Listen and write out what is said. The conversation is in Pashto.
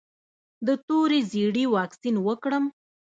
د تور ژیړي واکسین وکړم؟